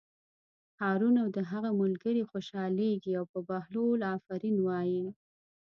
هارون او د هغه ملګري خوشحالېږي او په بهلول آفرین وایي.